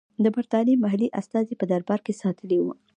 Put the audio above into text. د برټانیې محلي استازی په دربار کې ساتلی وو.